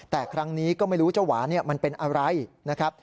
แต่ครั้งนี้ก็ไม่รู้เจ้าหวานมันเป็นอะไรนะครับ